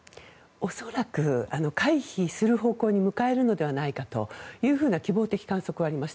恐らく、回避する方向に向かえるのではないかという希望的観測はあります。